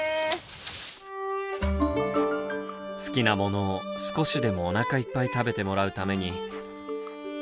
好きなものを少しでもおなかいっぱい食べてもらうために。